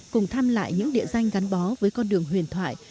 cùng thăm lại những địa danh gắn bó với con đường huyền thoại